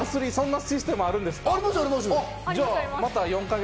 そんなシステムあるんですか？